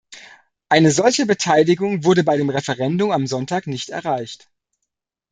Eine solche Beteiligung wurde bei dem Referendum am Sonntag nicht erreicht.